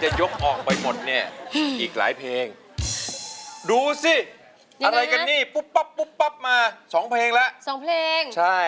จนขุมใจรวมใจรวมใจรวมใจ